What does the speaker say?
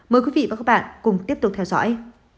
mời quý vị và các bạn cùng tiếp tục theo dõi